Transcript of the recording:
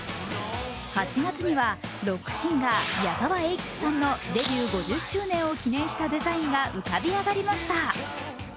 ８月にはロックシンガー・矢沢永吉さんのデビュー５０周年を記念したデザインが浮かび上がりました。